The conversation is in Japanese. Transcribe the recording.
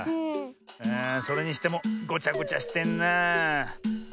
あそれにしてもごちゃごちゃしてんなあ。